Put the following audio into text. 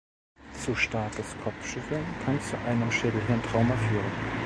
Zu starkes Kopfschütteln kann zu einem Schädel-Hirn-Trauma führen.